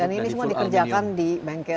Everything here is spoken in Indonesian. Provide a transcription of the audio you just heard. dan ini semua dikerjakan di bengkel